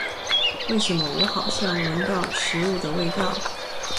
為什麼我好像聞到食物的味道